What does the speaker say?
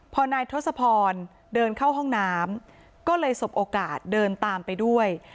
พอนายทศพรเดินเข้าห้องน้ำก็เลยสบโอกาสเดินตามไปด้วย